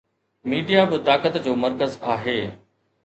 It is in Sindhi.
ميڊيا به طاقت جو مرڪز آهي.